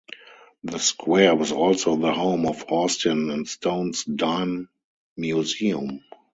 The square was also the home of Austin and Stone's Dime Museum.